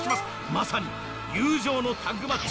まさに友情のタッグマッチ。